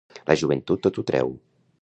La joventut tot ho treu.